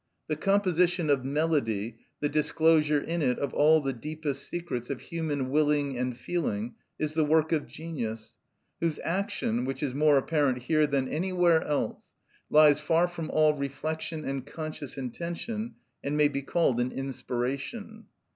The composition of melody, the disclosure in it of all the deepest secrets of human willing and feeling, is the work of genius, whose action, which is more apparent here than anywhere else, lies far from all reflection and conscious intention, and may be called an inspiration.